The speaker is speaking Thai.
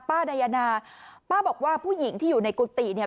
นายนาป้าบอกว่าผู้หญิงที่อยู่ในกุฏิเนี่ย